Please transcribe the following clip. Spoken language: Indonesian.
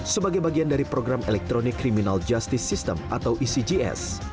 sebagai bagian dari program elektronik criminal justice system atau ecgs